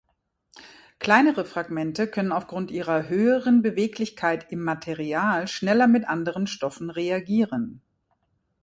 Kleinere Fragmente können aufgrund ihrer höheren Beweglichkeit im Material schneller mit anderen Stoffen reagieren.